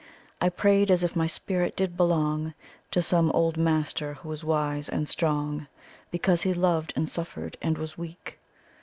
I prayed as if my spirit did belong To some old master who was wise and strong, Because he lov'd and suffered, and was weak.